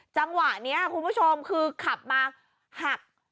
จังหวะนี้คุณผู้ชมคือขับมาหัก